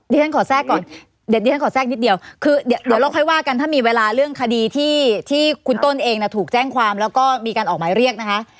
ฉันขอแทรกก่อนเดี๋ยวดิฉันขอแทรกนิดเดียวคือเดี๋ยวเราค่อยว่ากันถ้ามีเวลาเรื่องคดีที่คุณต้นเองถูกแจ้งความแล้วก็มีการออกหมายเรียกนะคะ